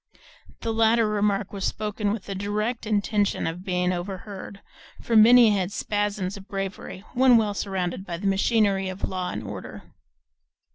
The latter remark was spoken with the direct intention of being overheard, for Minnie had spasms of bravery, when well surrounded by the machinery of law and order.